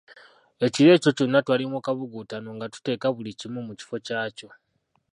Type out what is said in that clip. Ekiro ekyo kyonna twali mu kabuguutano nga tuteeka buli kimu mu kifo kyakyo.